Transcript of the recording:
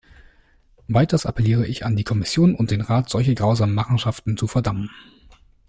Weiters appelliere ich an die Kommission und den Rat, solche grausamen Machenschaften zu verdammen.